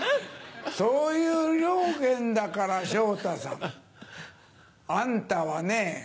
そういう了見だから昇太さんあんたはね